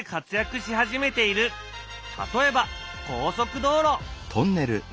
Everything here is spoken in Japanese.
例えば高速道路！